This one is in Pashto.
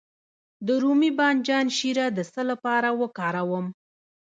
د رومي بانجان شیره د څه لپاره وکاروم؟